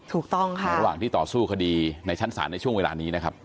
ถูกต้องค่ะระหว่างที่ต่อสู้คดีในชั้นศาลในช่วงเวลานี้นะครับ